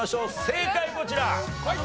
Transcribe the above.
正解こちら！